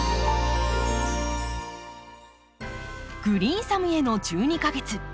「グリーンサムへの１２か月」。